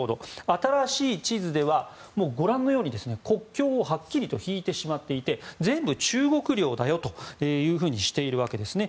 新しい地図では、ご覧のように国境をはっきりと引いてしまっていて全部、中国領だよとしているわけですね。